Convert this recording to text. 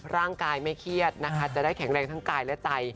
ร่างกายไม่เครียดนะคะจะได้แข็งแรงทั้งกายและใจ